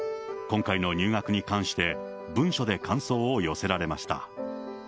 今回の入学に関して、文書で感想を寄せられました。